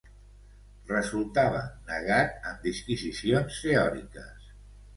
Resultava negat en disquisicions teòriques.